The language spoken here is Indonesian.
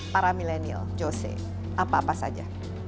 para milenial jose apa apa saja